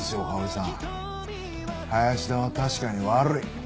林田は確かに悪い。